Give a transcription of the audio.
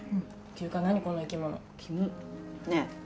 ていうか何この生き物キモっねえ